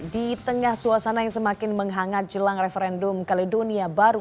di tengah suasana yang semakin menghangat jelang referendum kaledonia baru